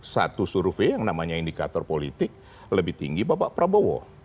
satu survei yang namanya indikator politik lebih tinggi bapak prabowo